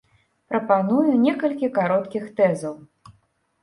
Прапаную некалькі кароткіх тэзаў.